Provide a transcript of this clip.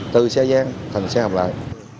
từ xe gian thành xe hộp lại